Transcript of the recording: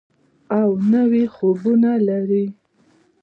او نوي خوبونه لري.